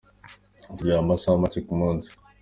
Turyama amasaha make kumunsi.